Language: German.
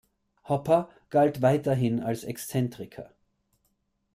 Hopper galt weiterhin als Exzentriker.